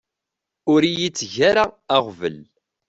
Ur iyi-tteg ara aɣbel.